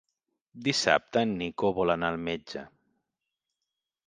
Dissabte en Nico vol anar al metge.